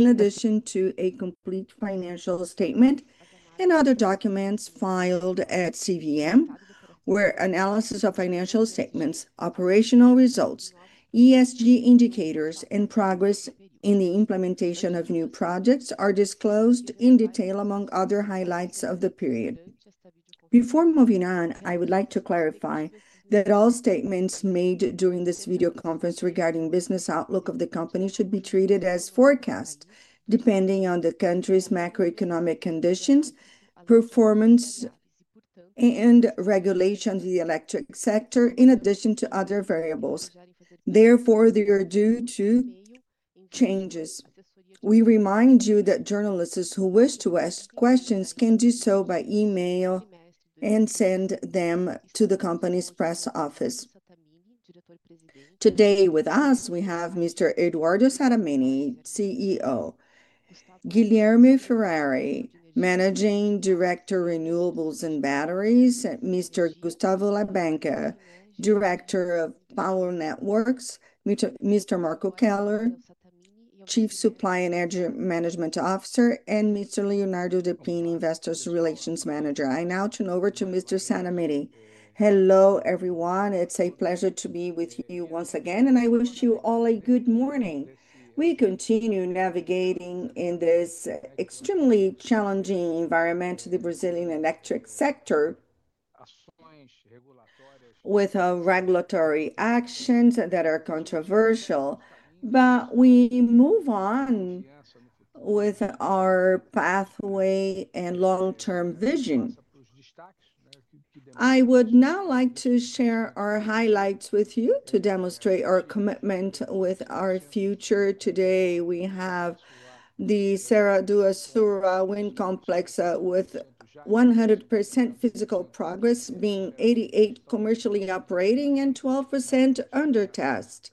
In addition to a complete financial statement and other documents filed at CVM, where analysis of financial statements, operational results, ESG indicators, and progress in the implementation of new projects are disclosed in detail among other highlights of the period. Before moving on, I would like to clarify that all statements made during this video conference regarding the business outlook of the company should be treated as forecast, depending on the country's macroeconomic conditions, performance, and regulations in the electric sector, in addition to other variables. Therefore, they are due to changes. We remind you that journalists who wish to ask questions can do so by email and send them to the company's press office. Today, with us, we have Mr. Eduardo Sattamini, CEO. Guilherme Ferrari, Managing Director of Renewables and Batteries. Mr. Gustavo Labanca, Director of Power Networks. Mr. Marcos Keller, Chief Supply and Energy Management Officer. And Mr. Leonardo Deprá, Investors Relations Manager. I now turn over to Mr. Sattamini. Hello, everyone. It's a pleasure to be with you once again, and I wish you all a good morning. We continue navigating in this extremely challenging environment in the Brazilian electric sector, with regulatory actions that are controversial. We move on with our pathway and long-term vision. I would now like to share our highlights with you to demonstrate our commitment with our future. Today, we have the Serra do Açúcar wind complex with 100% physical progress, being 88% commercially operating and 12% under test.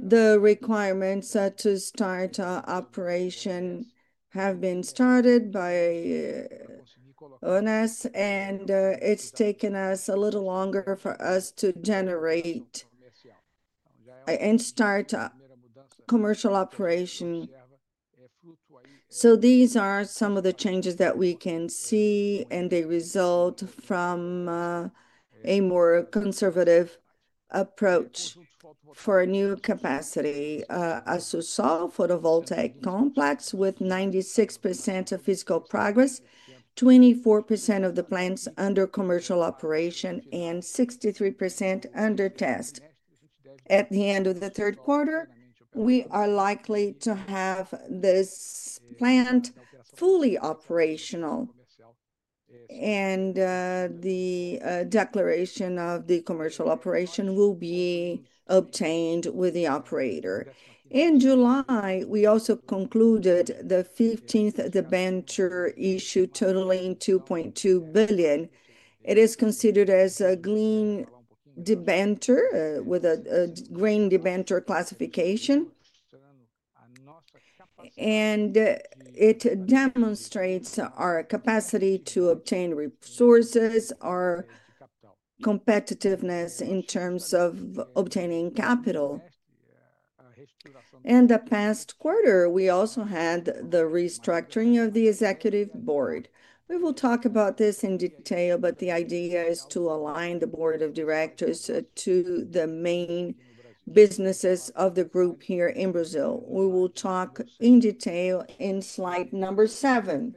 The requirements to start operation have been started by ONS, and it's taken us a little longer for us to generate and start commercial operation. These are some of the changes that we can see and the result from a more conservative approach for new capacity. Assusol Photovoltaic complex with 96% of physical progress, 24% of the plants under commercial operation, and 63% under test. At the end of the third quarter, we are likely to have this plant fully operational, and the declaration of the commercial operation will be obtained with the operator. In July, we also concluded the 15th debenture issued totaling 2.2 billion. It is considered as a green debenture with a green debenture classification, and it demonstrates our capacity to obtain resources, our competitiveness in terms of obtaining capital. In the past quarter, we also had the restructuring of the executive board. We will talk about this in detail, but the idea is to align the Board of Directors to the main businesses of the group here in Brazil. We will talk in detail in slide number seven.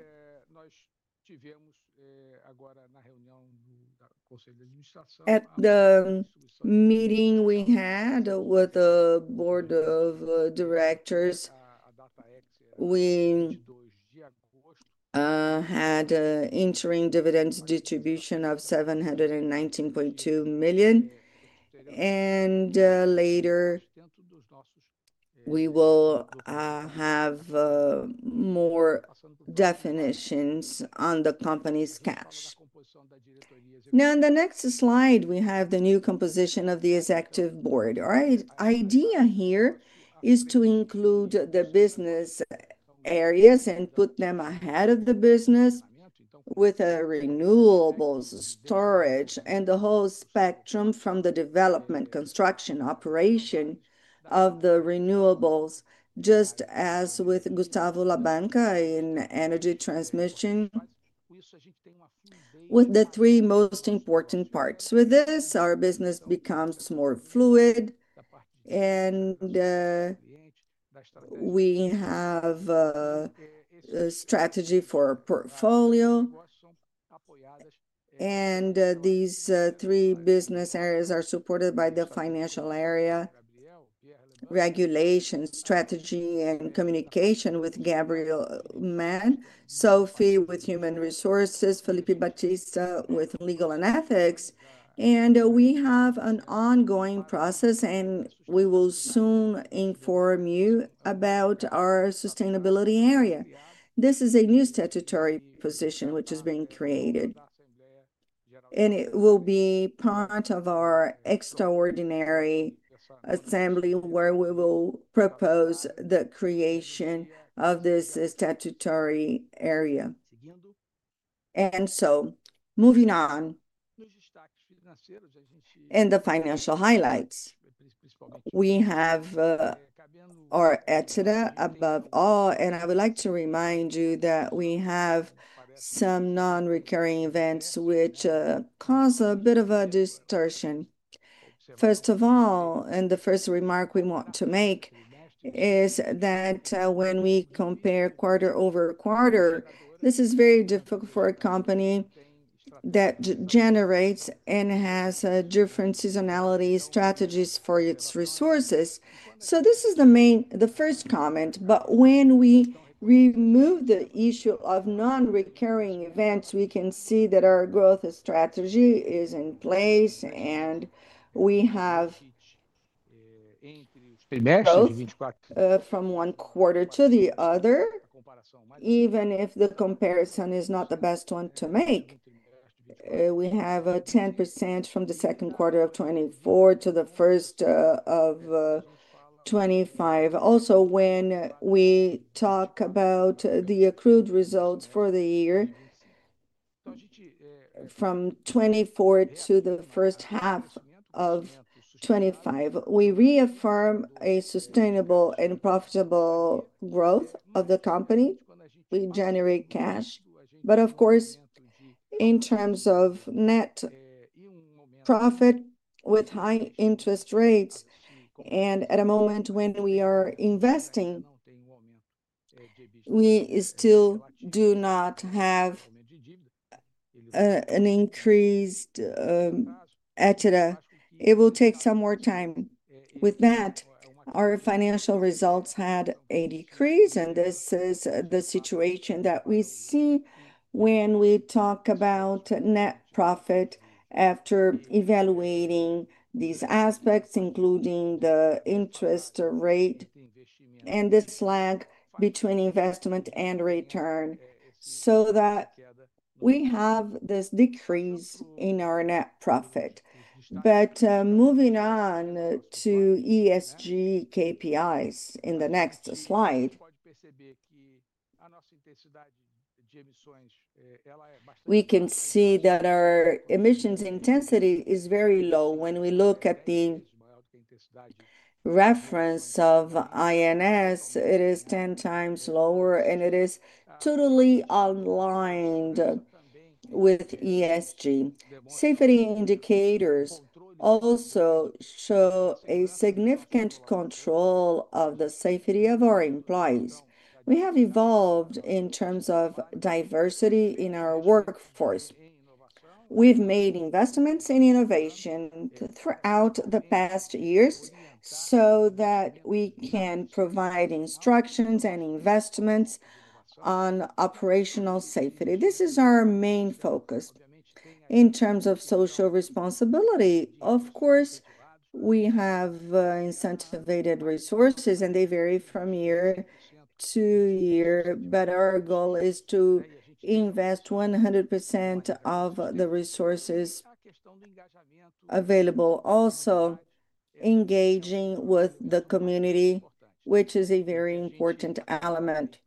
At the meeting we had with the Board of Directors, we had an interim dividend distribution of 719.2 million. Later, we will have more definitions on the company's cash. Now, on the next slide, we have the new composition of the Executive Board. Our idea here is to include the business areas and put them ahead of the business with renewables, storage, and the whole spectrum from the development, construction, operation of the renewables, just as with Gustavo Henrique Labanca Novo in energy transmission. With the three most important parts with this, our business becomes more fluid, and we have a strategy for our portfolio. These three business areas are supported by the financial area, regulations, strategy, and communication with Gabriel Man, Sophie with Human Resources, Felipe Batista with Legal and Ethics. We have an ongoing process, and we will soon inform you about our sustainability area. This is a new statutory position which is being created, and it will be part of our extraordinary assembly where we will propose the creation of this statutory area. Moving on, the financial highlights. We have our EBITDA above all, and I would like to remind you that we have some non-recurring events which cause a bit of a distortion. First of all, the first remark we want to make is that when we compare quarter over quarter, this is very difficult for a company that generates and has different seasonality strategies for its resources. This is the main, the first comment. When we remove the issue of non-recurring events, we can see that our growth strategy is in place, and we have growth from one quarter to the other, even if the comparison is not the best one to make. We have a 10% from the second quarter of 2024 to the first of 2025. Also, when we talk about the accrued results for the year, from 2024 to the first half of 2025, we reaffirm a sustainable and profitable growth of the company. We generate cash. Of course, in terms of net profit with high interest rates, and at a moment when we are investing, we still do not have an increased EBITDA. It will take some more time. With that, our financial results had a decrease, and this is the situation that we see when we talk about net profit after evaluating these aspects, including the interest rate and the lag between investment and return. We have this decrease in our net profit. Moving on to ESG KPIs in the next slide, we can see that our emissions intensity is very low. When we look at the reference of ONS, it is 10x lower, and it is totally aligned with ESG. Safety indicators also show a significant control of the safety of our employees. We have evolved in terms of diversity in our workforce. We've made investments in innovation throughout the past years so that we can provide instructions and investments on operational safety. This is our main focus. In terms of social responsibility, of course, we have incentivated resources, and they vary from year to year. Our goal is to invest 100% of the resources available, also engaging with the community, which is a very important element.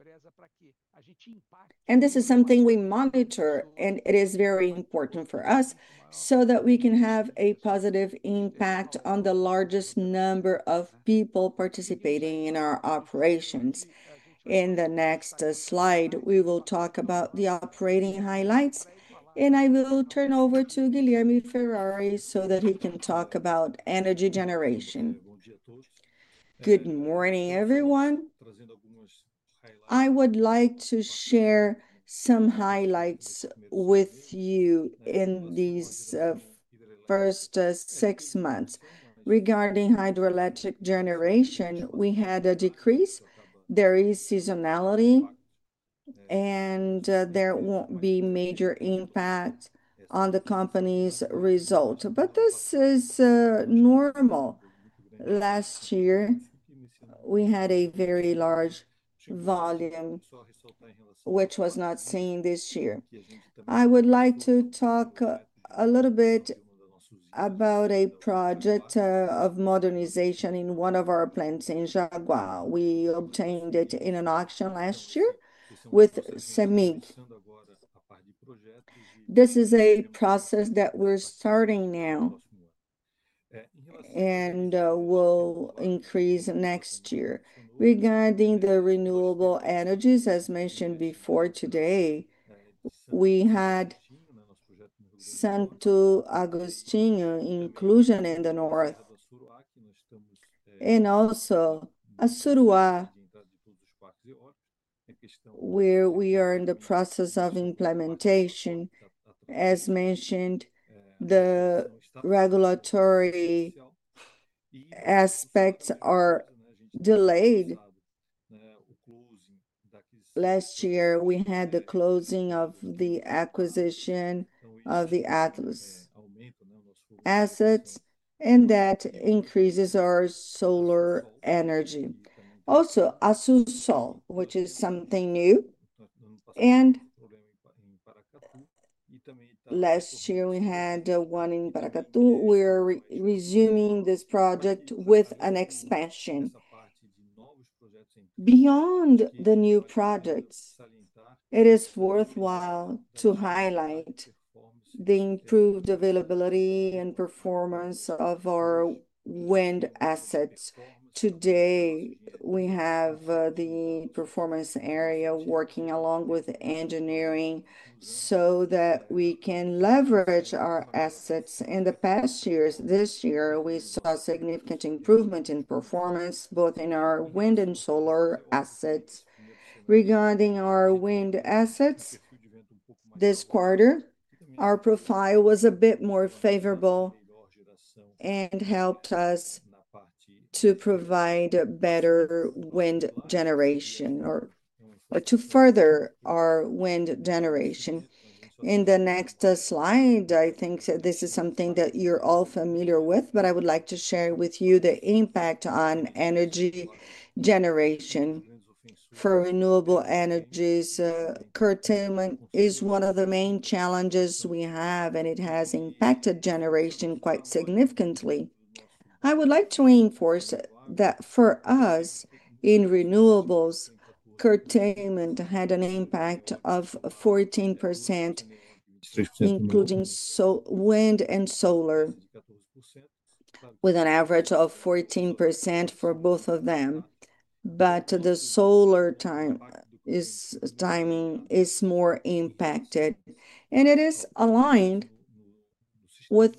This is something we monitor, and it is very important for us so that we can have a positive impact on the largest number of people participating in our operations. In the next slide, we will talk about the operating highlights, and I will turn over to Guilherme Ferrari so that he can talk about energy generation. Good morning, everyone. I would like to share some highlights with you in these first six months regarding hydroelectric generation. We had a decrease. There is seasonality, and there won't be major impact on the company's result. This is normal. Last year, we had a very large volume, which was not seen this year. I would like to talk a little bit about a project of modernization in one of our plants in Jaguara. We obtained it in an auction last year with CEMIG. This is a process that we're starting now and will increase next year. Regarding the renewable energies, as mentioned before today, we had Santo Agostinho Inclusion in the north, and also Assurá, where we are in the process of implementation. As mentioned, the regulatory aspects are delayed. Last year, we had the closing of the acquisition of the Atlas assets, and that increases our solar energy. Also, Assusol, which is something new. Last year, we had one in Paracatu. We are resuming this project with an expansion. Beyond the new projects, it is worthwhile to highlight the improved availability and performance of our wind assets. Today, we have the performance area working along with engineering so that we can leverage our assets. In the past years, this year, we saw significant improvement in performance, both in our wind and solar assets. Regarding our wind assets, this quarter, our profile was a bit more favorable and helped us to provide better wind generation or to further our wind generation. In the next slide, I think that this is something that you're all familiar with, but I would like to share with you the impact on energy generation. For renewable energies, curtailment is one of the main challenges we have, and it has impacted generation quite significantly. I would like to reinforce that for us, in renewables, curtailment had an impact of 14%, including wind and solar, with an average of 14% for both of them. The solar timing is more impacted, and it is aligned with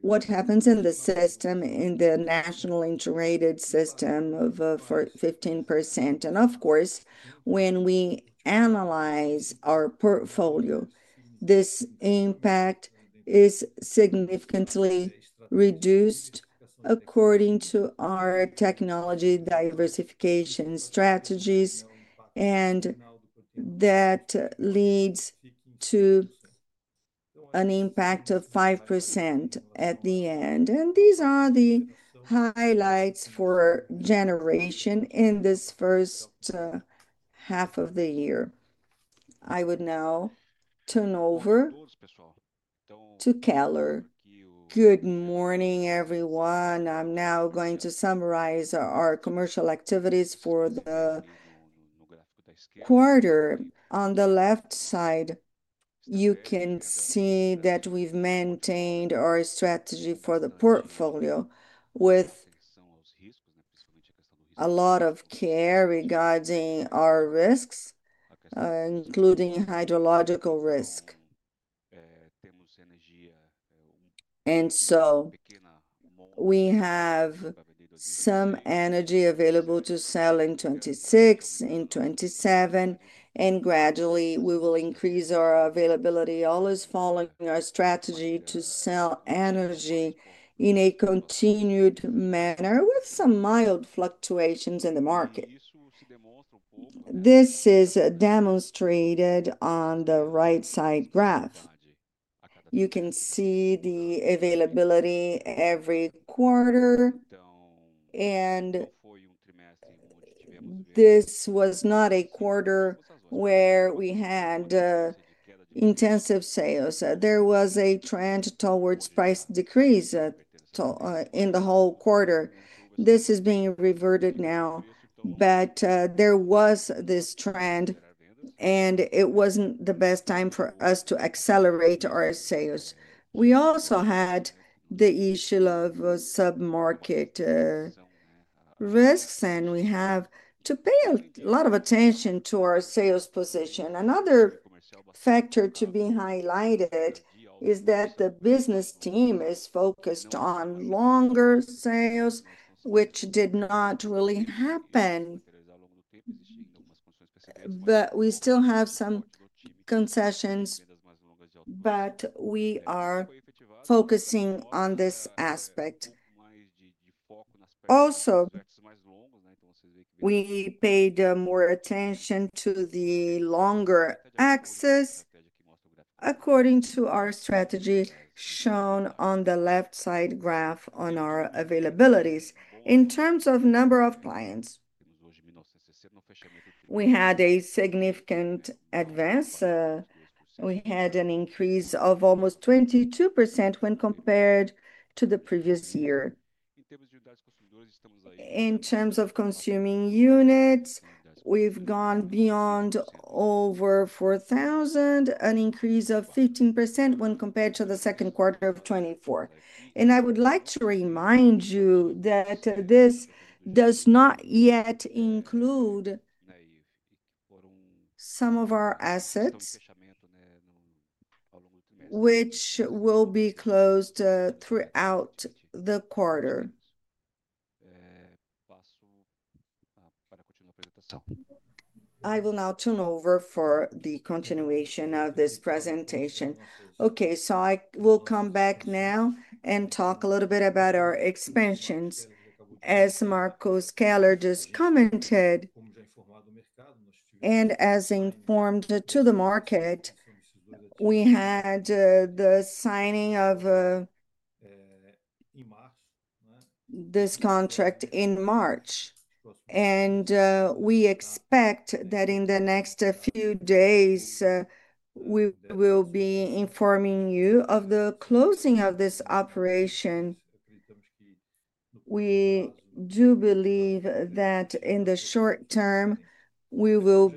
what happens in the system, in the national integrated system of 15%. Of course, when we analyze our portfolio, this impact is significantly reduced according to our technology diversification strategies, and that leads to an impact of 5% at the end. These are the highlights for generation in this first half of the year. I would now turn over to Keller. Good morning, everyone. I'm now going to summarize our commercial activities for the quarter. On the left side, you can see that we've maintained our strategy for the portfolio with a lot of care regarding our risks, including hydrological risk. We have some energy available to sell in 2026, in 2027, and gradually we will increase our availability always following our strategy to sell energy in a continued manner with some mild fluctuations in the market. This is demonstrated on the right side graph. You can see the availability every quarter, and this was not a quarter where we had intensive sales. There was a trend towards price decrease in the whole quarter. This is being reverted now, but there was this trend, and it wasn't the best time for us to accelerate our sales. We also had the issue of submarket risks, and we have to pay a lot of attention to our sales position. Another factor to be highlighted is that the business team is focused on longer sales, which did not really happen. We still have some concessions, but we are focusing on this aspect. We paid more attention to the longer axis according to our strategy shown on the left side graph on our availabilities. In terms of number of clients, we had a significant advance. We had an increase of almost 22% when compared to the previous year. In terms of consuming units, we've gone beyond over 4,000, an increase of 15% when compared to the second quarter of 2024. I would like to remind you that this does not yet include some of our assets, which will be closed throughout the quarter. I will now turn over for the continuation of this presentation. Okay, I will come back now and talk a little bit about our expansions. As Marcos Keller just commented, and as informed to the market, we had the signing of this contract in March. We expect that in the next few days, we will be informing you of the closing of this operation. We do believe that in the short term, we will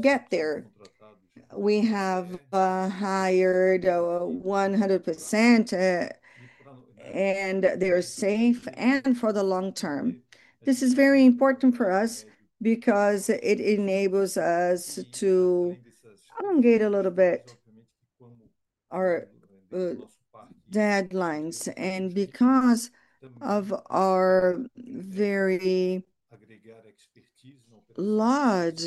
get there. We have hired 100%, and they are safe and for the long term. This is very important for us because it enables us to elongate a little bit our deadlines. Because of our very large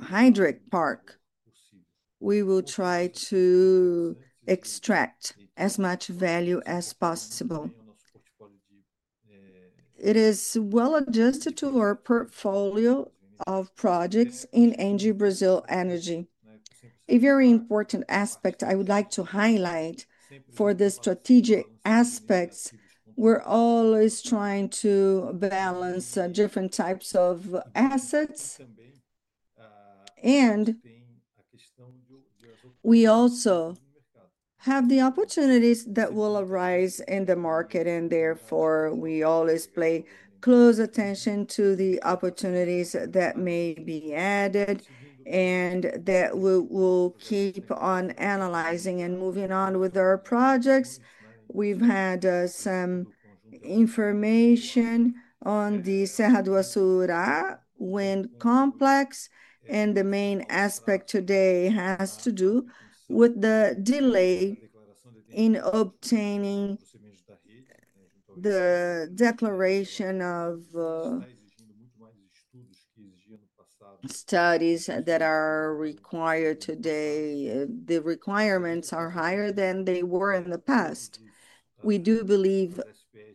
hydric park, we will try to extract as much value as possible. It is well adjusted to our portfolio of projects in ENGIE Brasil Energia. A very important aspect I would like to highlight for the strategic aspects, we're always trying to balance different types of assets. We also have the opportunities that will arise in the market, and therefore, we always pay close attention to the opportunities that may be added and that we will keep on analyzing and moving on with our projects. We've had some information on the Serra do Açúcar wind complex, and the main aspect today has to do with the delay in obtaining the declaration of studies that are required today. The requirements are higher than they were in the past. We do believe,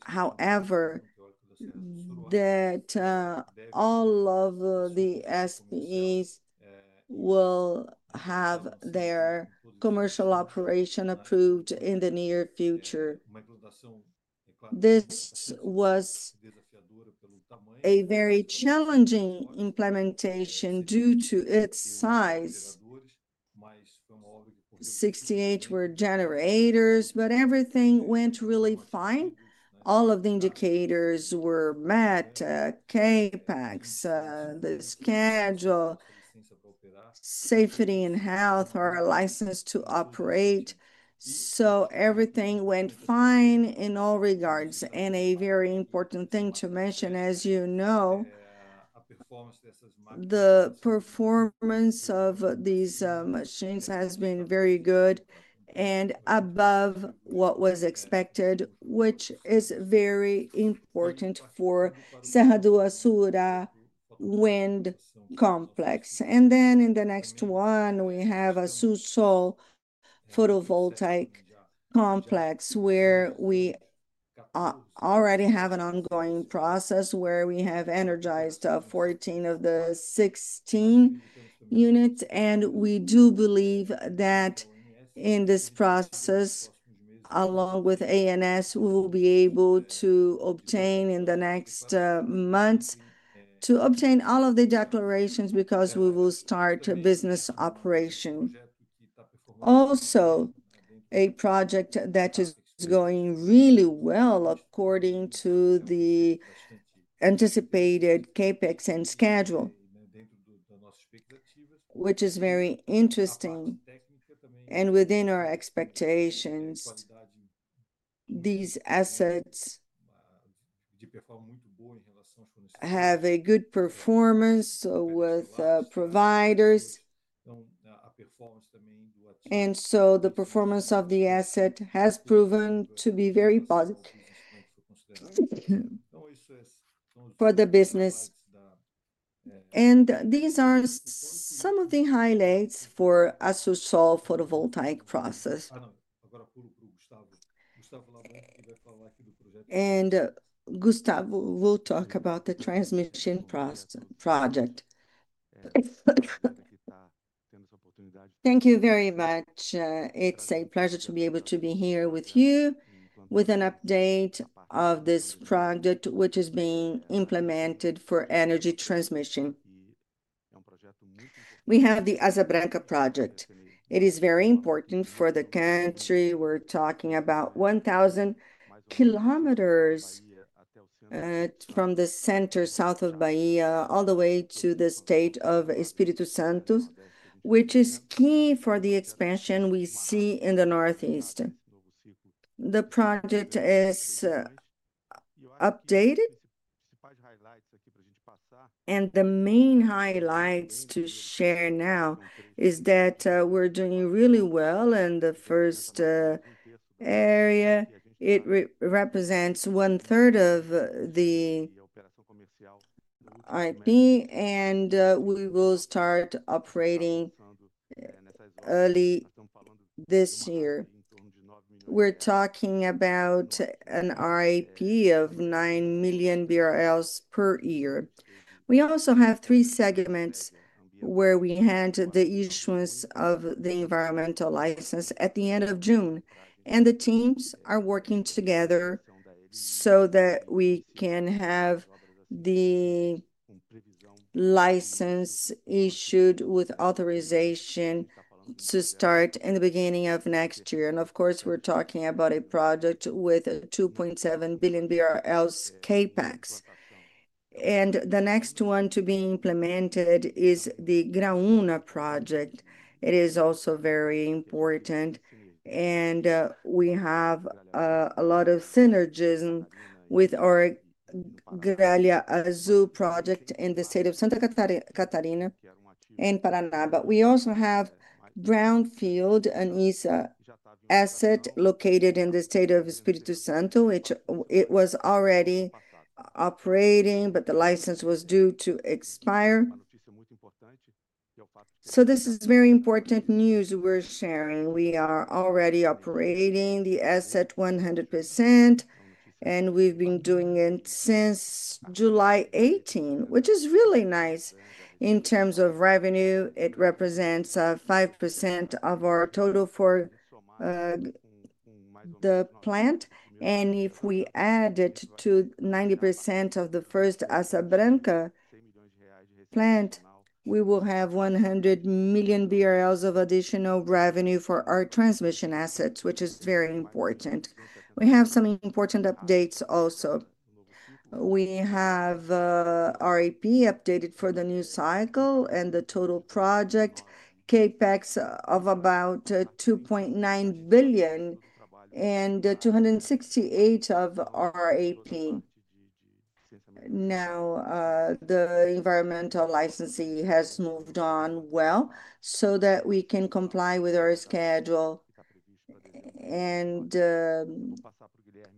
however, that all of the SPEs will have their commercial operation approved in the near future. This was a very challenging implementation due to its size. Sixty-eight were generators, but everything went really fine. All of the indicators were met: CapEx, the schedule, safety and health, or a license to operate. Everything went fine in all regards. A very important thing to mention, as you know, the performance of these machines has been very good and above what was expected, which is very important for Serra do Açúcar wind complex. In the next one, we have Assusol Photovoltaic complex where we already have an ongoing process where we have energized 14 of the 16 units. We do believe that in this process, along with ANS, we will be able to obtain in the next months all of the declarations because we will start business operation. Also, a project that is going really well according to the anticipated CapEx and schedule, which is very interesting. Within our expectations, these assets have a good performance with providers, and the performance of the asset has proven to be very positive for the business. These are some of the highlights for Assusol Photovoltaic process. Gustavo will talk about the transmission project. Thank you very much. It's a pleasure to be able to be here with you with an update of this project, which is being implemented for energy transmission. We have the Azabranca transmission project. It is very important for the country. We're talking about 1,000 km from the center-south of Bahia all the way to the state of Espírito Santo, which is key for the expansion we see in the northeast. The project is updated, and the main highlights to share now are that we're doing really well in the first area. It represents one-third of the IP, and we will start operating early this year. We're talking about an RAP of 9 million BRL per year. We also have three segments where we handle the issuance of the environmental license at the end of June. The teams are working together so that we can have the license issued with authorization to start in the beginning of next year. Of course, we're talking about a project with 2.7 billion BRL CapEx. The next one to be implemented is the Graúna transmission project. It is also very important, and we have a lot of synergism with our Galea Azul project in the state of Santa Catarina and Paraná. We also have Brownfield, an ESA asset located in the state of Espírito Santo, which was already operating, but the license was due to expire. This is very important news we're sharing. We are already operating the asset 100%, and we've been doing it since July 18, which is really nice. In terms of revenue, it represents 5% of our total for the plant. If we add it to 90% of the first Azabranca transmission project, we will have 100 million BRL of additional revenue for our transmission assets, which is very important. We have some important updates also. We have RAP updated for the new cycle and the total project CapEx of about 2.9 billion and 268 of RAP. Now, the environmental license has moved on well so that we can comply with our schedule and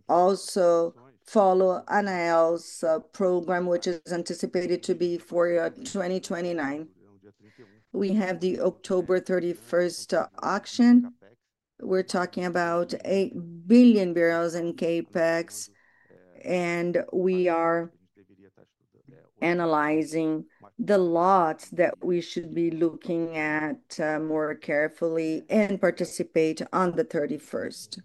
also follow ANEEL's program, which is anticipated to be for 2029. We have the October 31 auction. We're talking about 8 billion in CapEx, and we are analyzing the lot that we should be looking at more carefully and participate on the 31st.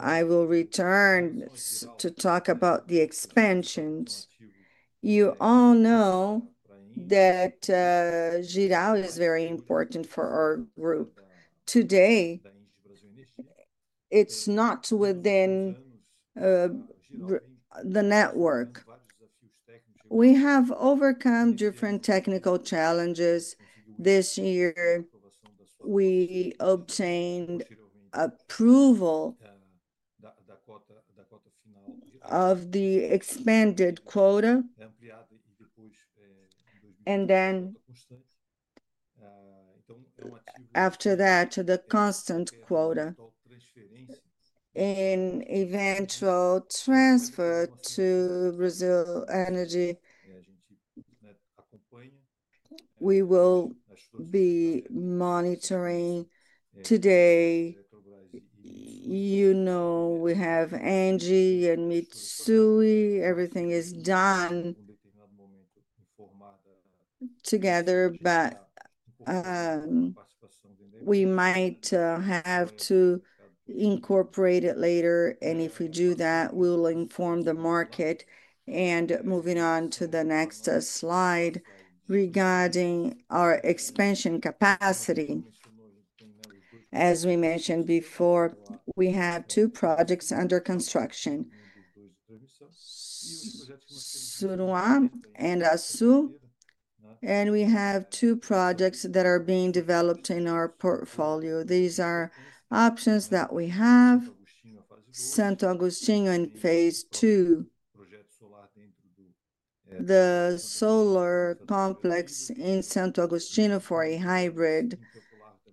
I will return to talk about the expansions. You all know that Jirau is very important for our group. Today, it's not within the network. We have overcome different technical challenges this year. We obtained approval of the expanded quota, and then after that, the constant quota and eventual transfer to ENGIE Brasil Energia. We will be monitoring today. You know we have ENGIE and Mitsui. Everything is done together, but we might have to incorporate it later. If we do that, we'll inform the market. Moving on to the next slide regarding our expansion capacity. As we mentioned before, we have two projects under construction: Suruá and Assusol. We have two projects that are being developed in our portfolio. These are options that we have: Santo Agostinho in phase two, the solar complex in Santo Agostinho for a hybrid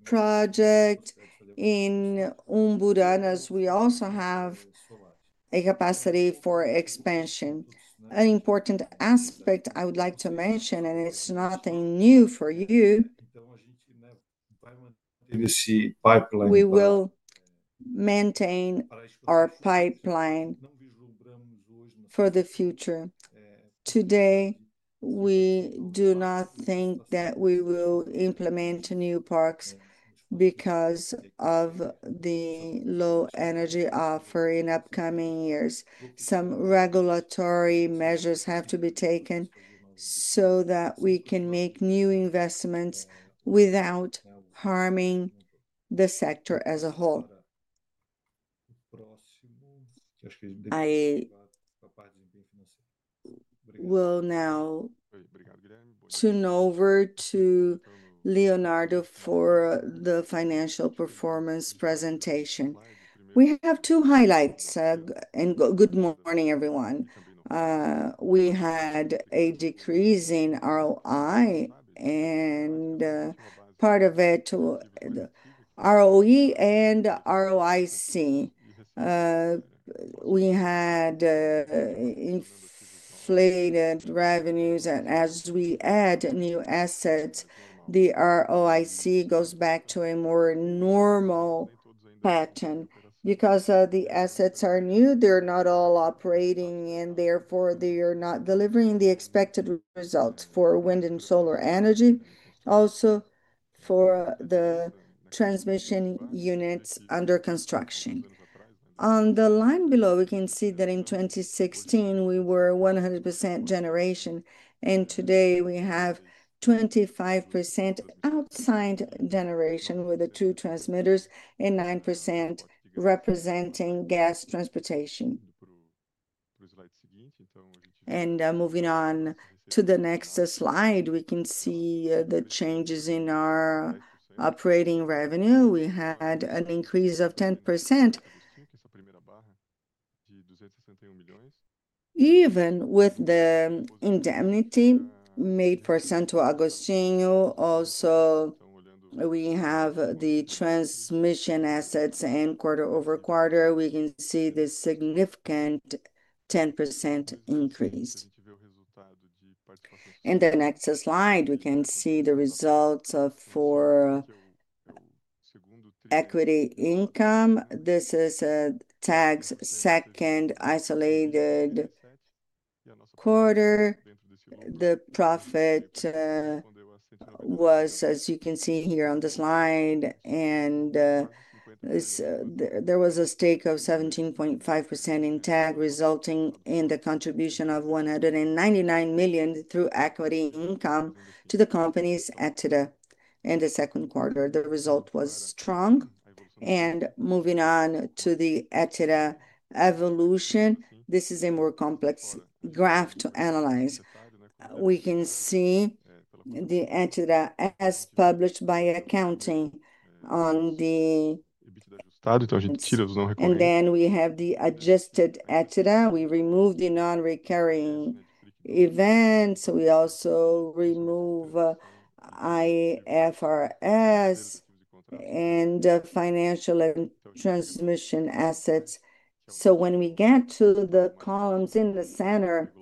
project in Umburanas. We also have a capacity for expansion. An important aspect I would like to mention, and it's nothing new for you. We will maintain our pipeline for the future. Today, we do not think that we will implement new parks because of the low energy offer in upcoming years. Some regulatory measures have to be taken so that we can make new investments without harming the sector as a whole. I will now turn over to Leonardo for the financial performance presentation. We have two highlights. Good morning, everyone. We had a decrease in ROI, and part of it to ROE and ROIC. We had inflated revenues, and as we add new assets, the ROIC goes back to a more normal pattern because the assets are new. They're not all operating, and therefore, they are not delivering the expected results for wind and solar energy, also for the transmission units under construction. On the line below, we can see that in 2016, we were 100% generation, and today we have 25% outside generation with the two transmitters and 9% representing gas transportation. Moving on to the next slide, we can see the changes in our operating revenue. We had an increase of 10%. Even with the indemnity made per Santo Agostinho. We also have the transmission assets, and quarter over quarter, we can see the significant 10% increase. In the next slide, we can see the results for equity income. This is a tax second isolated quarter. The profit was, as you can see here on the slide, and there was a stake of 17.5% in TAG, resulting in the contribution of 199 million through equity income to the company's EBITDA. In the second quarter, the result was strong. Moving on to the EBITDA evolution, this is a more complex graph to analyze. We can see the EBITDA as published by accounting on the... Then we have the adjusted EBITDA. We remove the non-recurring events. We also remove IFRS and financial transmission assets. When we get to the columns in the center,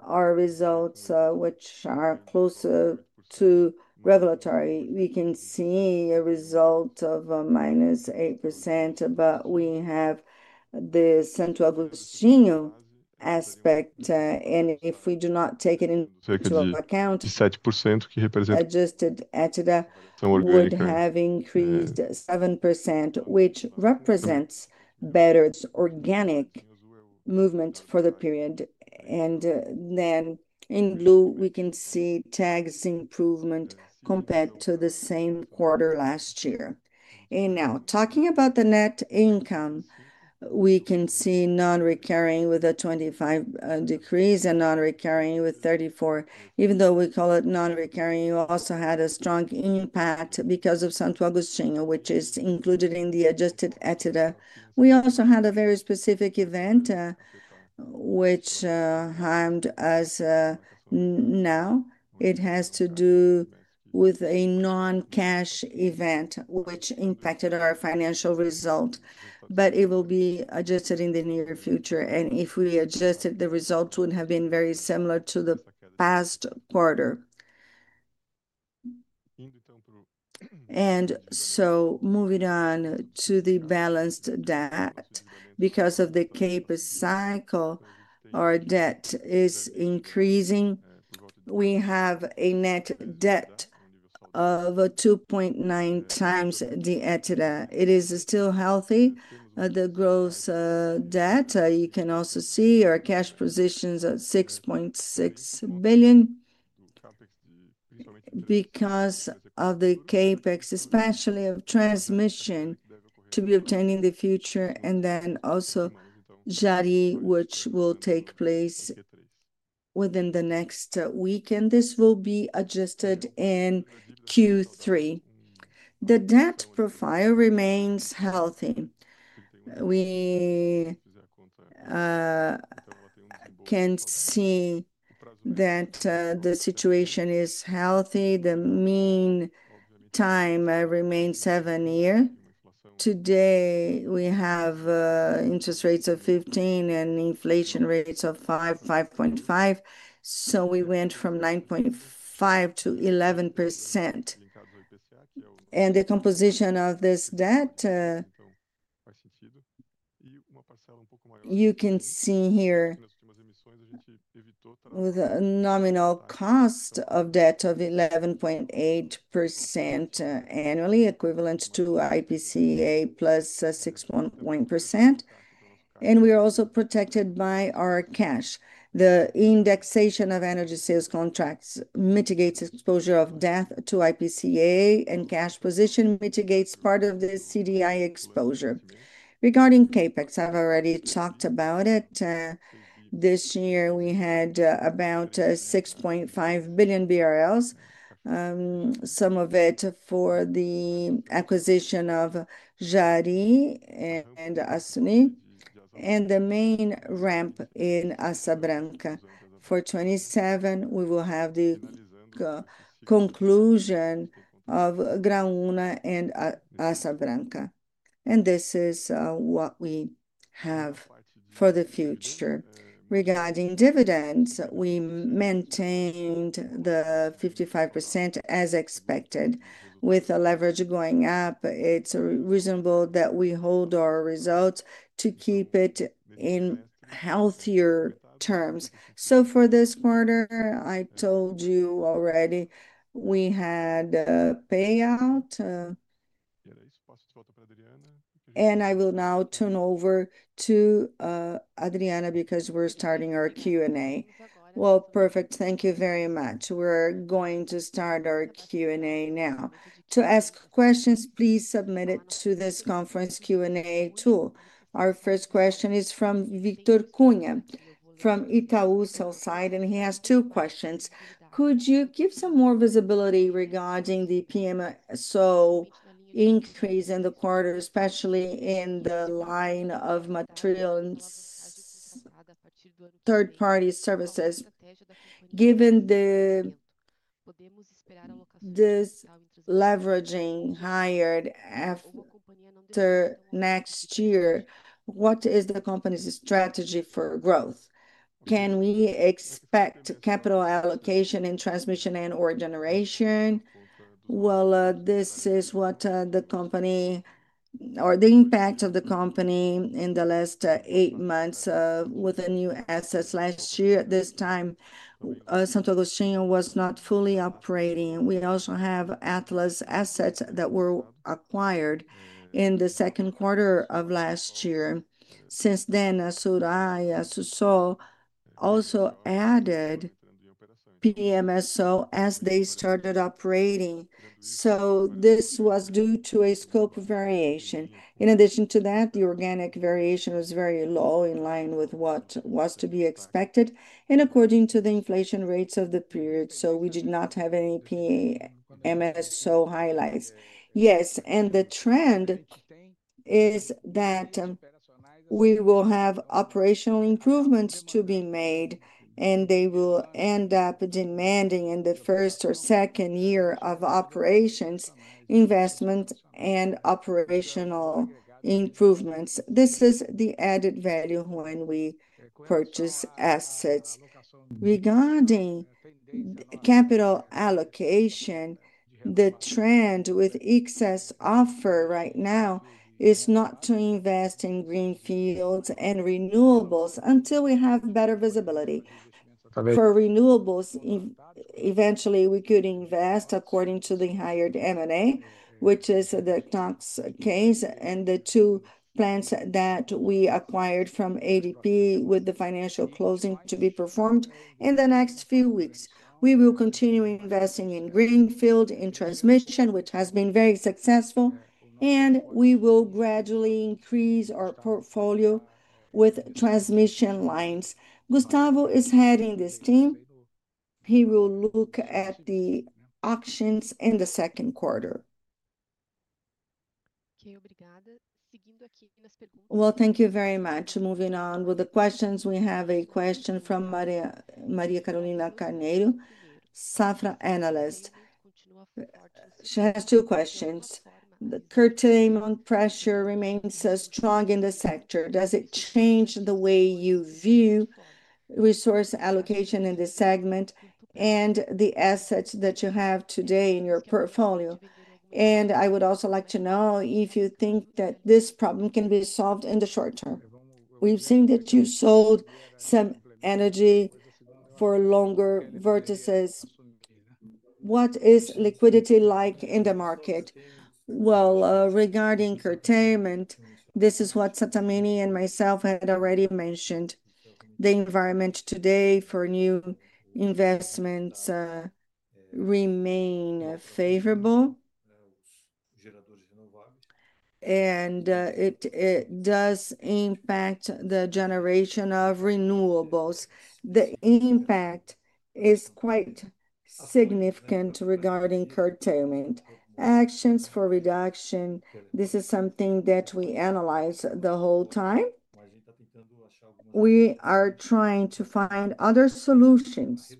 our results, which are closer to regulatory, we can see a result of minus 8%. We have the Santo Agostinho aspect, and if we do not take it into account, we have increased 7%, which represents better organic movement for the period. In blue, we can see TAG's improvement compared to the same quarter last year. Now, talking about the net income, we can see non-recurring with a 25% decrease and non-recurring with 34%. Even though we call it non-recurring, you also had a strong impact because of Santo Agostinho, which is included in the adjusted EBITDA. We also had a very specific event, which, as now, it has to do with a non-cash event, which impacted our financial result. It will be adjusted in the near future. If we adjusted, the results would have been very similar to the past quarter. Moving on to the balanced debt, because of the CapEx cycle, our debt is increasing. We have a net debt of 2.9x the EBITDA. It is still healthy. The gross debt, you can also see, our cash positions are 6.6 billion because of the CapEx, especially of transmission to be obtained in the future, and also Jirau, which will take place within the next week. This will be adjusted in Q3. The debt profile remains healthy. We can see that the situation is healthy. The mean time remains seven years. Today, we have interest rates of 15% and inflation rates of 5.5%. We went from 9.5% to 11%. The composition of this debt you can see here. Nominal cost of debt of 11.8% annually, equivalent to IPCA plus 6.1%. We are also protected by our cash. The indexation of energy sales contracts mitigates exposure of debt to IPCA, and cash position mitigates part of the CDI exposure. Regarding CapEx, I've already talked about it. This year, we had about 6.5 billion BRL, some of it for the acquisition of Jirau and Assusol, and the main ramp in Azabranca. For 2027, we will have the conclusion of Graúna and Azabranca. This is what we have for the future. Regarding dividends, we maintained the 55% as expected. With the leverage going up, it's reasonable that we hold our results to keep it in healthier terms. For this quarter, I told you already, we had a payout. I will now turn over to Adriana because we're starting our Q&A. Perfect. Thank you very much. We're going to start our Q&A now. To ask questions, please submit it to this conference Q&A tool. Our first question is from Victor Cunha from Itaú Southside, and he has two questions. Could you give some more visibility regarding the PMSO increase in the quarter, especially in the line of material and third-party services? Given the leveraging hired after next year, what is the company's strategy for growth? Can we expect capital allocation in transmission and/or generation? This is what the company or the impact of the company in the last eight months with the new assets last year. At this time, Santo Agostinho was not fully operating. We also have Atlas assets that were acquired in the second quarter of last year. Since then, Suruá e Assusol also added PMSO as they started operating. This was due to a scope variation. In addition to that, the organic variation was very low in line with what was to be expected and according to the inflation rates of the period. We did not have any PMSO highlights. Yes. The trend is that we will have operational improvements to be made, and they will end up demanding in the first or second year of operations, investments, and operational improvements. This is the added value when we purchase assets. Regarding capital allocation, the trend with excess offer right now is not to invest in greenfields and renewables until we have better visibility. For renewables, eventually, we could invest according to the hired M&A, which is the Cox case and the two plants that we acquired from ADP with the financial closing to be performed in the next few weeks. We will continue investing in greenfield in transmission, which has been very successful, and we will gradually increase our portfolio with transmission lines. Gustavo is heading this team. He will look at the auctions in the second quarter. Thank you very much. Moving on with the questions, we have a question from Maria Carolina Carneiro, Safra analyst. She has two questions. The curtailment pressure remains strong in the sector. Does it change the way you view resource allocation in this segment and the assets that you have today in your portfolio? I would also like to know if you think that this problem can be solved in the short term. We've seen that you sold some energy for longer vertices. What is liquidity like in the market? Regarding curtailment, this is what Sattamini and myself had already mentioned. The environment today for new investments remains favorable, and it does impact the generation of renewables. The impact is quite significant regarding curtailment. Actions for reduction, this is something that we analyze the whole time. We are trying to find other solutions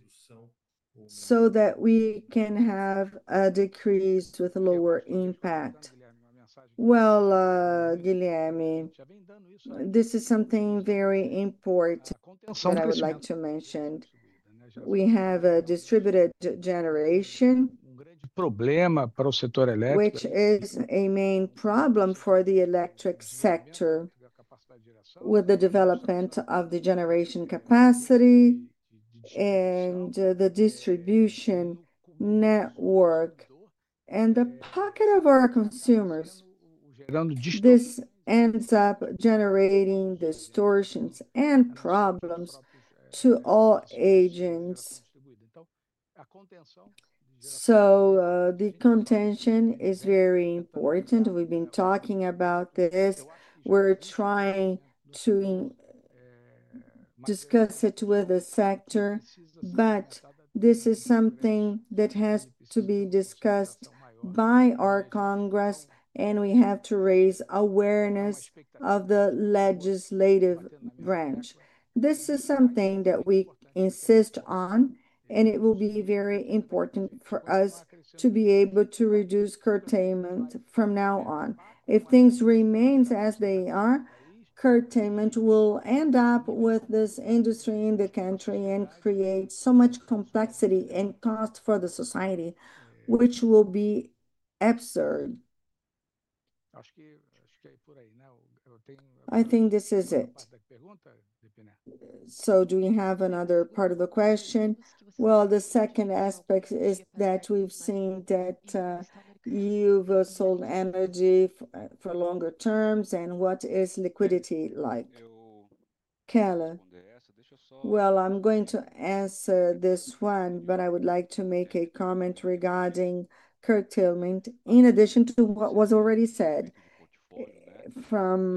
so that we can have a decrease with lower impact. Guilherme, this is something very important that I would like to mention. We have a distributed generation, which is a main problem for the electric sector with the development of the generation capacity and the distribution network and the pocket of our consumers. This ends up generating distortions and problems to all agents. The contention is very important. We've been talking about this. We're trying to discuss it with the sector, but this is something that has to be discussed by our Congress, and we have to raise awareness of the legislative branch. This is something that we insist on, and it will be very important for us to be able to reduce curtailment from now on. If things remain as they are, curtailment will end up with this industry in the country and create so much complexity and cost for the society, which will be absurd. I think this is it. Do we have another part of the question? The second aspect is that we've seen that you've sold energy for longer terms. What is liquidity like? Keller. I'm going to answer this one, but I would like to make a comment regarding curtailment in addition to what was already said. From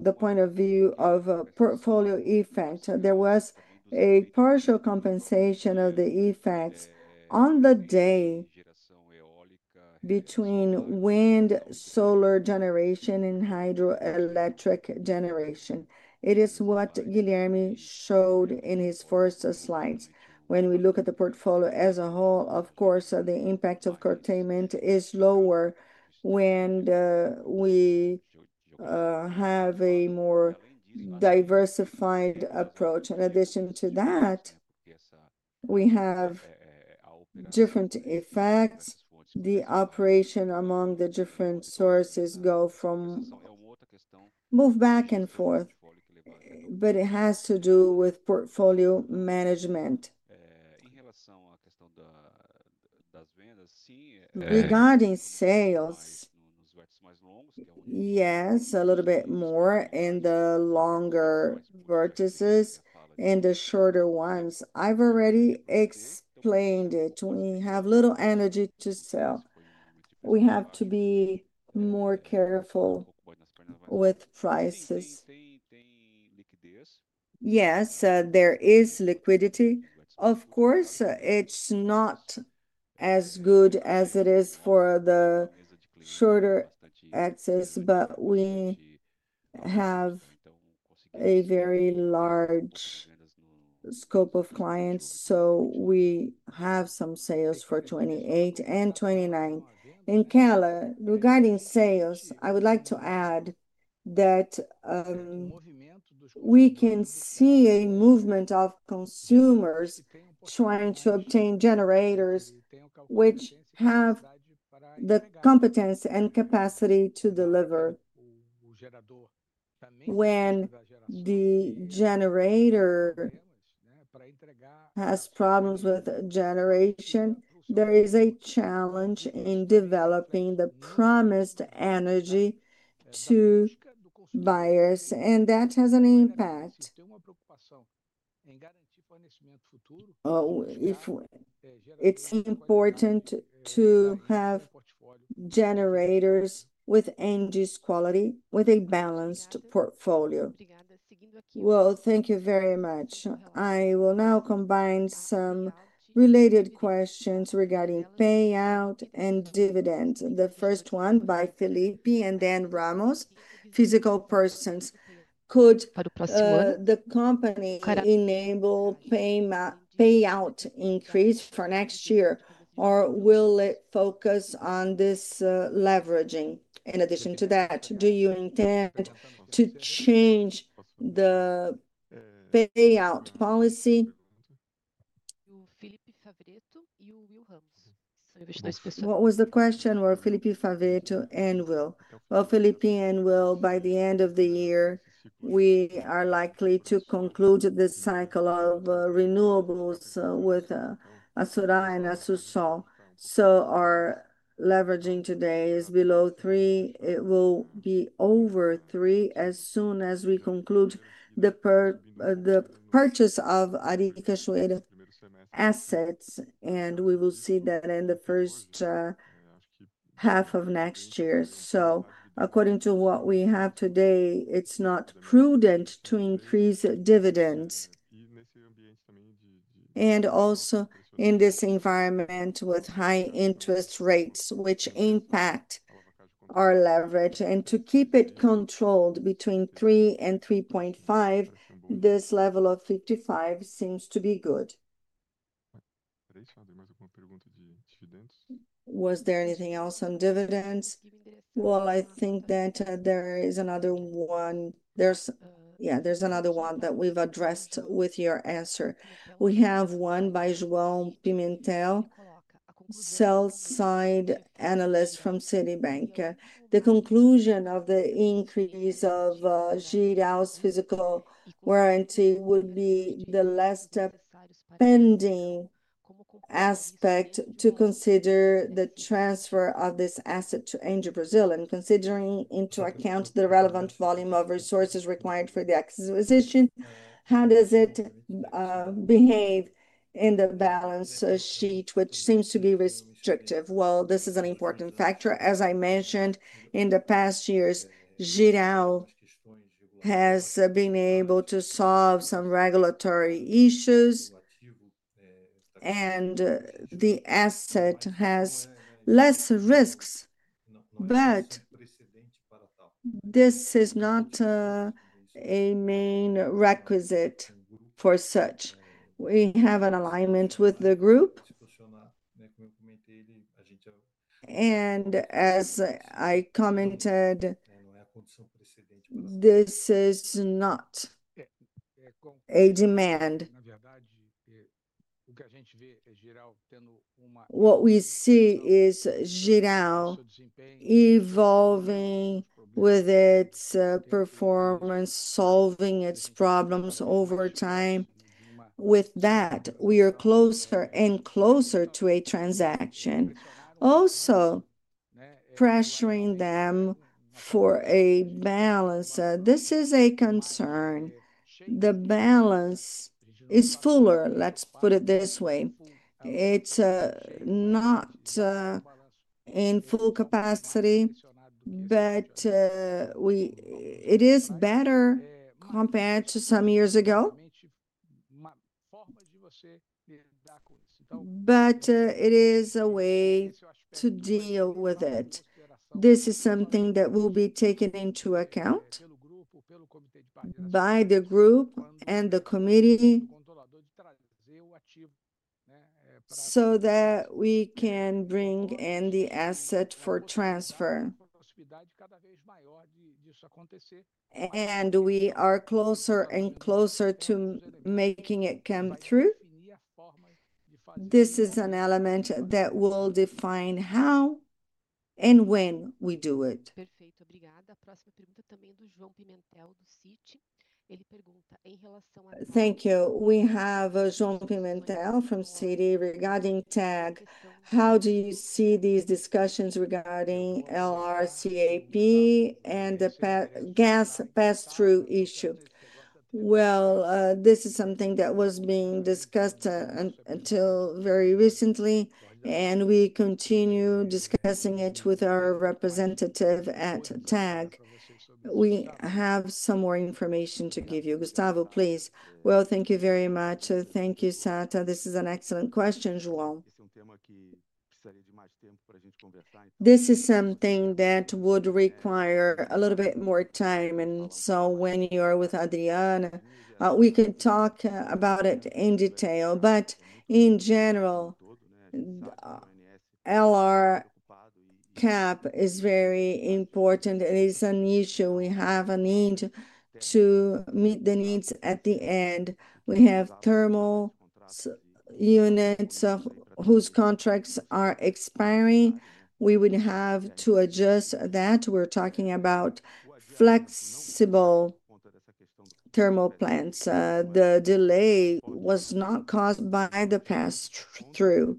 the point of view of a portfolio effect, there was a partial compensation of the effects on the day between wind, solar generation, and hydroelectric generation. It is what Guilherme showed in his first slides. When we look at the portfolio as a whole, of course, the impact of curtailment is lower when we have a more diversified approach. In addition to that, we have different effects. The operation among the different sources goes from moving back and forth, but it has to do with portfolio management. Regarding sales, yes, a little bit more in the longer vertices and the shorter ones. I've already explained it. We have little energy to sell. We have to be more careful with prices. Yes, there is liquidity. Of course, it's not as good as it is for the shorter axis, but we have a very large scope of clients. We have some sales for 2028 and 2029. Keller, regarding sales, I would like to add that we can see a movement of consumers trying to obtain generators which have the competence and capacity to deliver. When the generator has problems with generation, there is a challenge in developing the promised energy to buyers, and that has an impact. It's important to have generators with end-use quality with a balanced portfolio. Thank you very much. I will now combine some related questions regarding payout and dividends. The first one by Felipe and then Ramos, physical persons. Could the company enable payout increase for next year, or will it focus on this leveraging? In addition to that, do you intend to change the payout policy? What was the question? Felipe Favetto and Will? Felipe and Will, by the end of the year, we are likely to conclude the cycle of renewables with Assurá and Assusol. Our leveraging today is below 3. It will be over 3 as soon as we conclude the purchase of artificial assets, and we will see that in the first half of next year. According to what we have today, it's not prudent to increase dividends. Also, in this environment with high interest rates, which impact our leverage, and to keep it controlled between 3 and 3.5, this level of 55% seems to be good. Was there anything else on dividends? I think that there is another one. Yes, there's another one that we've addressed with your answer. We have one by João Pimentel, sell-side analyst from Citibank. The conclusion of the increase of Jirau's physical warranty would be the last pending aspect to consider the transfer of this asset to ENGIE Brasil and considering the relevant volume of resources required for the acquisition, how does it behave in the balance sheet, which seems to be restrictive? This is an important factor. As I mentioned, in the past years, Jirau has been able to solve some regulatory issues, and the asset has less risks. This is not a main requisite for such. We have an alignment with the group, and as I commented, this is not a demand. What we see is Jirau evolving with its performance, solving its problems over time. With that, we are closer and closer to a transaction, also pressuring them for a balance. This is a concern. The balance is fuller. Let's put it this way. It's not in full capacity, but it is better compared to some years ago. It is a way to deal with it. This is something that will be taken into account by the group and the committee, so that we can bring in the asset for transfer. We are closer and closer to making it come through. This is an element that will define how and when we do it. Thank you. We have João Pimentel from Citibank. Regarding TAG, how do you see these discussions regarding LRCAP and the gas pass-through issue? This is something that was being discussed until very recently, and we continue discussing it with our representative at TAG. We have some more information to give you. Gustavo, please. Thank you very much. Thank you, Sata. This is an excellent question, João. This is something that would require a little bit more time. When you are with Adriana, we can talk about it in detail. In general, LRCAP is very important. It is an issue we have a need to meet the needs at the end. We have thermal units whose contracts are expiring. We would have to adjust that. We're talking about flexible thermal plants. The delay was not caused by the pass-through.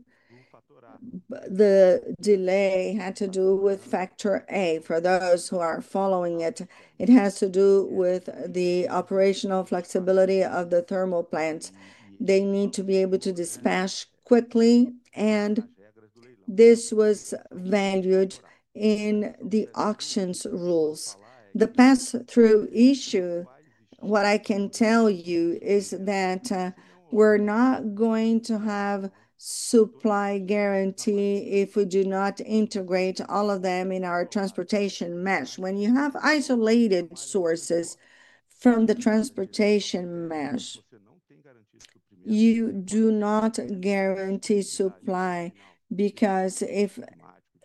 The delay had to do with factor A. For those who are following it, it has to do with the operational flexibility of the thermal plants. They need to be able to dispatch quickly, and this was valued in the auctions rules. The pass-through issue, what I can tell you is that we're not going to have supply guarantee if we do not integrate all of them in our transportation mesh. When you have isolated sources from the transportation mesh, you do not guarantee supply because if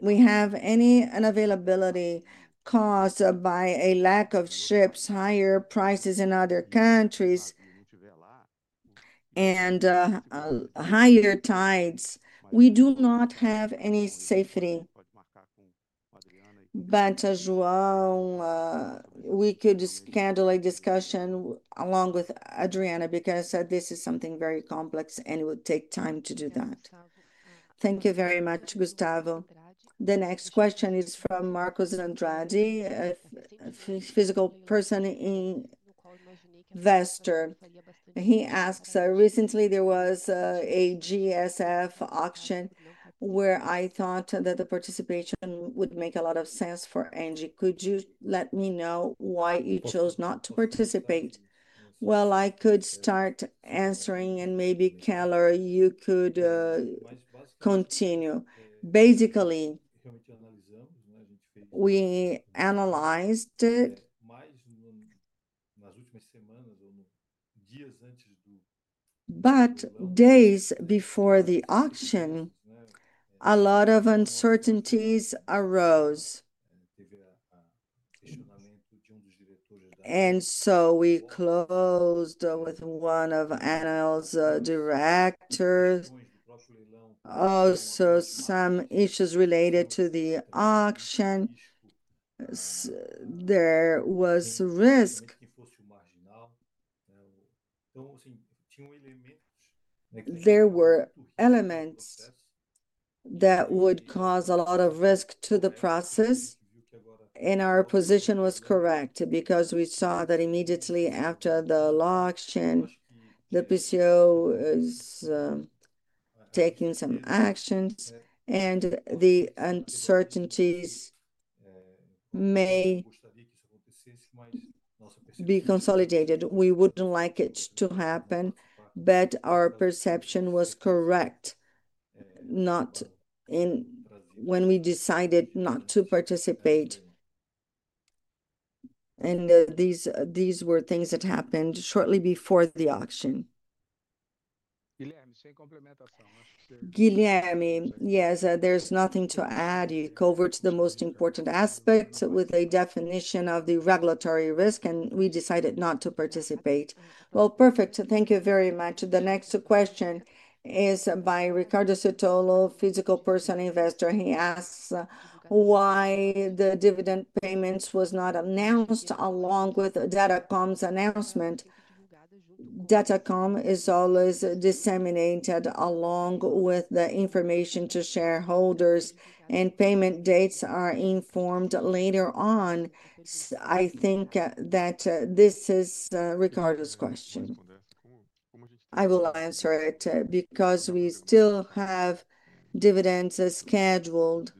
we have any unavailability caused by a lack of ships, higher prices in other countries, and higher tides, we do not have any safety. João, we could schedule a discussion along with Adriana because this is something very complex and it would take time to do that. Thank you very much, Gustavo. The next question is from Marcos Andrade, a physical person investor. He asks, recently there was a GSF auction where I thought that the participation would make a lot of sense for ENGIE. Could you let me know why you chose not to participate? I could start answering and maybe Keller, you could continue. Basically, we analyzed it, but days before the auction, a lot of uncertainties arose. We closed with one of ANEEL's directors. Also, some issues related to the auction. There was risk. There were elements that would cause a lot of risk to the process. Our position was correct because we saw that immediately after the law auction, the PCO is taking some actions, and the uncertainties may be consolidated. We wouldn't like it to happen, but our perception was correct when we decided not to participate. These were things that happened shortly before the auction. Guilherme, yes, there's nothing to add. You covered the most important aspects with a definition of the regulatory risk, and we decided not to participate. Perfect. Thank you very much. The next question is by Ricardo Sotolo, physical person investor. He asks why the dividend payments were not announced along with DataCom's announcement. DataCom is always disseminated along with the information to shareholders, and payment dates are informed later on. I think that this is Ricardo's question. I will answer it because we still have dividends scheduled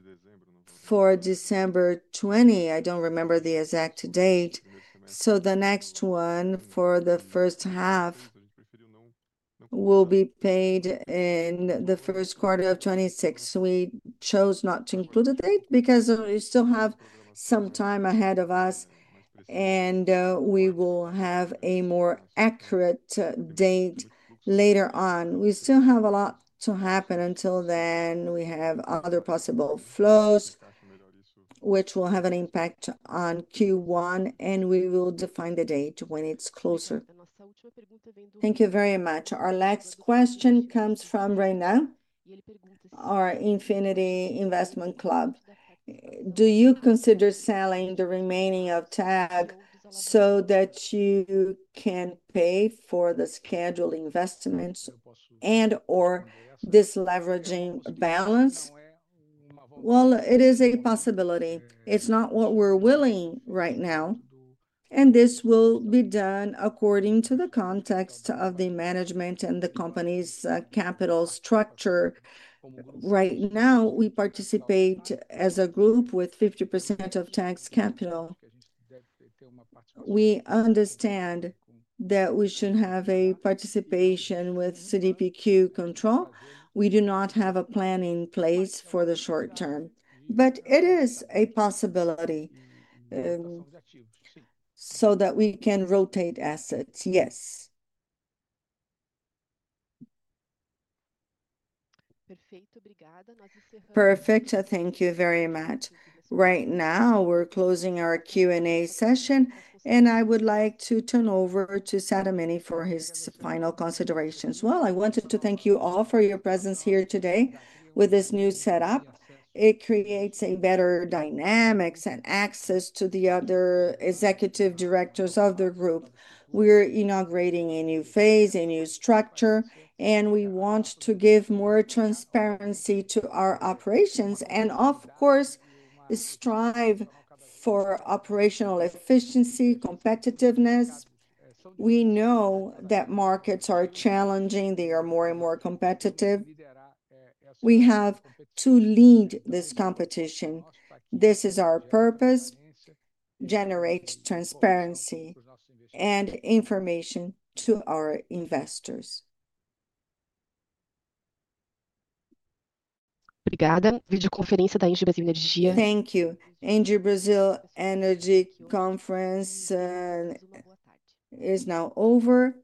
for December 20. I don't remember the exact date. The next one for the first half will be paid in the first quarter of 2026. We chose not to include the date because we still have some time ahead of us, and we will have a more accurate date later on. We still have a lot to happen until then. We have other possible flows, which will have an impact on Q1, and we will define the date when it's closer. Thank you very much. Our last question comes from Reyna, our Infinity Investment Club. Do you consider selling the remaining of TAG so that you can pay for the scheduled investments and/or disleveraging balance? It is a possibility. It's not what we're willing right now. This will be done according to the context of the management and the company's capital structure. Right now, we participate as a group with 50% of TAG's capital. We understand that we should have a participation with CDPQ control. We do not have a plan in place for the short term, but it is a possibility so that we can rotate assets. Yes. Perfect. Thank you very much. Right now, we're closing our Q&A session, and I would like to turn over to Sattamini for his final considerations. I wanted to thank you all for your presence here today with this new setup. It creates a better dynamic and access to the other Executive Directors of the group. We're inaugurating a new phase, a new structure, and we want to give more transparency to our operations and, of course, strive for operational efficiency, competitiveness. We know that markets are challenging. They are more and more competitive. We have to lead this competition. This is our purpose: to generate transparency and information to our investors. Thank you. ENGIE Brasil Energia Conference is now over. We.